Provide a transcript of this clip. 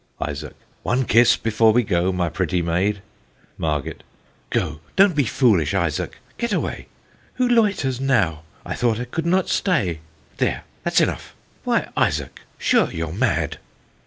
ISAAC. One kiss before we go, my pretty maid. MARGET. Go! don't be foolish, Isaac get away! Who loiters now? I thought I could not stay! There! that's enough! why, Isaac, sure you're mad!